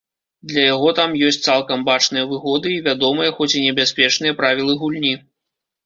Для яго там ёсць цалкам бачныя выгоды і вядомыя, хоць і небяспечныя, правілы гульні.